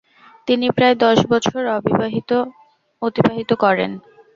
তিনি প্রায় দশ বছর অতিবাহিত করেন।